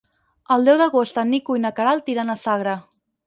El deu d'agost en Nico i na Queralt iran a Sagra.